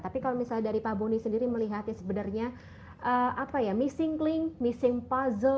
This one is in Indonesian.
tapi kalau misalnya dari pak boni sendiri melihatnya sebenarnya missing cling missing puzzle